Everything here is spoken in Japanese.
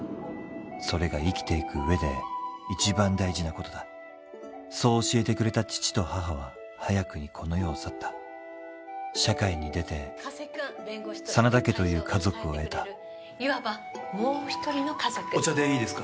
それが生きていく上で一番大事なことだそう教えてくれた父と母は早くにこの世を去った社会に出て真田家という家族を得たいわばもう一人の家族お茶でいいですか？